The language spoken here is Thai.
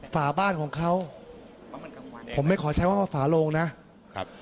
ฝาบ้านของเขาผมไม่ขอใช้ว่าฝาโลงนะครับ